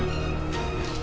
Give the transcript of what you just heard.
tunggu di sini